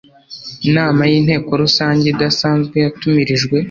nama y Inteko Rusange idasanzwe yatumirijwe